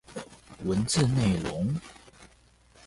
文字內容